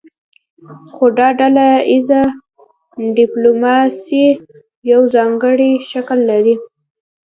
خو دا ډله ایزه ډیپلوماسي یو ځانګړی شکل لري